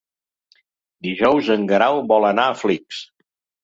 Dijous en Guerau vol anar a Flix.